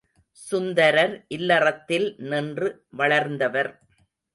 சுந்தரர் இல்லறத்தில் நின்று வளர்ந்தவர்.